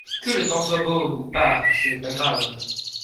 Que le temps soit beau ou pas ce n'est pas grave.